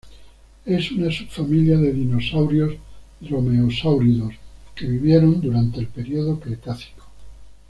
Es una subfamilia de dinosaurios dromeosáuridos que vivieron durante el período Cretácico.